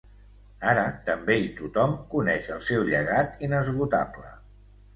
Ara també i tothom coneix el seu llegat inesgotable.